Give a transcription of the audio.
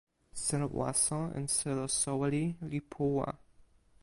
selo waso en selo soweli li puwa.